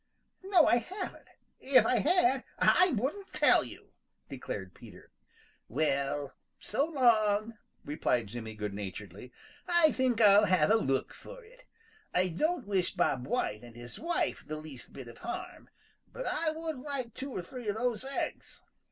"No, I haven't! If I had, I wouldn't tell you," declared Peter. "Well, so long," replied Jimmy good naturedly. "I think I'll have a look for it. I don't wish Bob White and his wife the least bit of harm, but I would like two or three of those eggs."